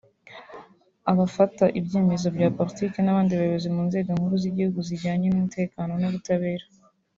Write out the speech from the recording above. abafata ibyemezo bya Politiki n’abandi bayobozi mu nzego nkuru z’igihugu zijyanye n’umutekano n’ubutabera